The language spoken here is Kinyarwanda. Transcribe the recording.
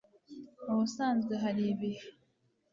ubusanzwe hari ibihe